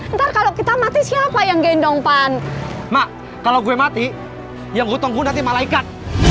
ntar kalau kita mati siapa yang gendong pan mak kalau gue mati yang gue tunggu nanti malaikat